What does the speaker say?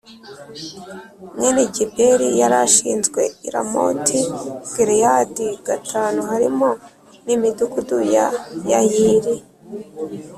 Mwene geberi yari ashinzwe i ramoti gileyadi v harimo n imidugudu ya yayiri